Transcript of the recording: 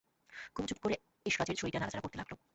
কুমু চুপ করে এসরাজের ছড়িটা নাড়াচাড়া করতে লাগল।